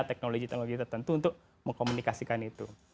teknologi teknologi tertentu untuk mengkomunikasikan itu